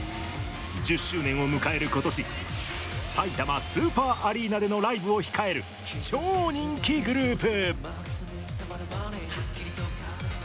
１０周年を迎える今年さいたまスーパーアリーナでのライブを控える超人気グループ。